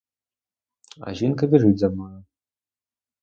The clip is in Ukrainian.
А жінка біжить за мною.